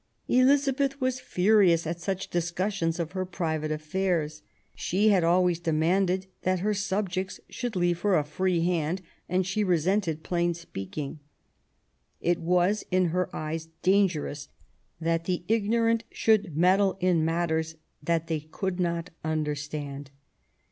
Elizabeth was furious at such discussion of her private affairs. She had always demanded that her subjects should leave her a free hand, and she resented plain speaking. It was in her eyes dangerous that the ignorant should meddle in matters that they could not understand.